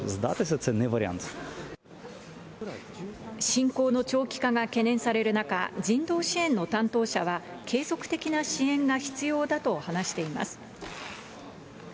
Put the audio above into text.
侵攻の長期化が懸念される中、人道支援の担当者は、継続的な支援が必要だと話しています。